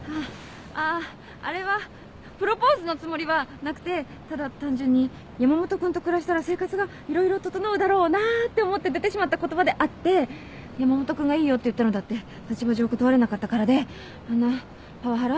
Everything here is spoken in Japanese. あっああれはプロポーズのつもりはなくてただ単純に山本君と暮らしたら生活が色々整うだろうなって思って出てしまった言葉であって山本君がいいよって言ったのだって立場上断れなかったからであんなパワハラ？